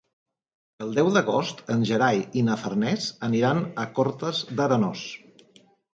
El deu d'agost en Gerai i na Farners aniran a Cortes d'Arenós.